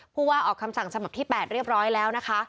ผู้ว่าออกคำสั่งฉบับที่๘เรียบร้อยแล้วนะคะ